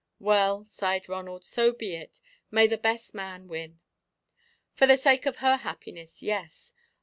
"Well," sighed Ronald, "so be it. May the best man win!" "For the sake of her happiness, yes.